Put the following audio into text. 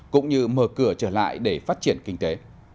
cũng như mở cửa trở lại để phát triển kinh tế